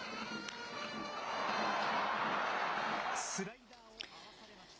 スライダーを合わされました。